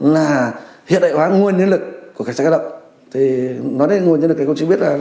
là hiện đại hóa nguồn nhân lực của cảnh sát cơ động thì nói đến nguồn nhân lực thì công chí biết là